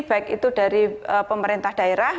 baik itu dari pemerintah daerah